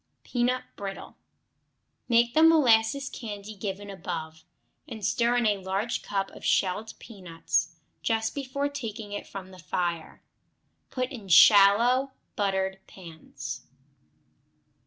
Peanut Brittle Make the molasses candy given above, and stir in a large cup of shelled peanuts just before taking it from the fire. Put in shallow, buttered pans.